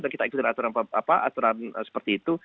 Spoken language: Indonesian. dan kita ikut aturan seperti itu